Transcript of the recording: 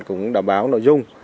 cũng đảm bảo nội dung